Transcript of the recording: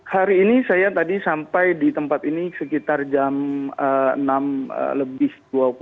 hari ini saya tadi sampai di tempat ini sekitar jam enam lebih dua puluh